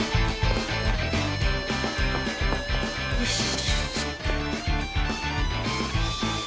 よし。